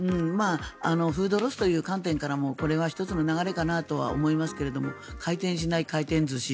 フードロスという観点からもこれは１つの流れかなと思いますけれども回転しない回転寿司。